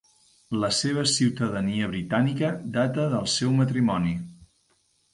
La seva ciutadania britànica data del seu matrimoni.